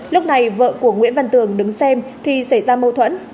lúc này vợ của nguyễn văn tường đứng xem thì xảy ra mâu thuẫn